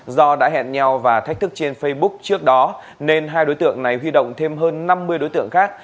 do đã hẹn nhau và thách thức trên facebook trước đó nên hai đối tượng này huy động thêm hơn năm mươi đối tượng khác